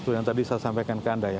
yang tadi saya sampaikan ke anda ya